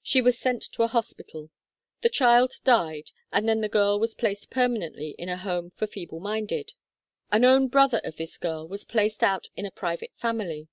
She was sent to a hospital. The child died, and then the girl was placed permanently in a home for feeble minded. An own brother of this girl was placed out in a private family.